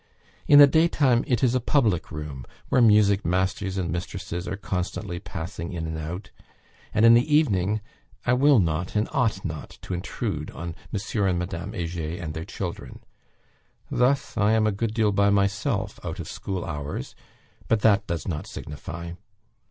In the daytime it is a public room, where music masters and mistresses are constantly passing in and out; and in the evening, I will not, and ought not to intrude on M. and Madame Heger and their children. Thus I am a good deal by myself, out of school hours; but that does not signify.